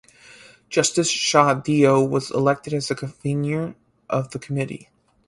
Justice Shahdeo was elected as the convener of the committee.